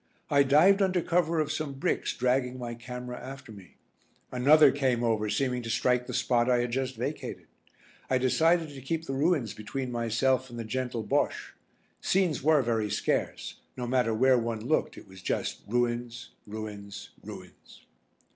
I dived under cover of some bricks dragging my camera after me. Another came over seeming to strike the spot I had just vacated. I decided to keep the ruins between myself and the gentle Bosche. Scenes were very scarce, no matter where one looked it was just ruins, ruins, ruins.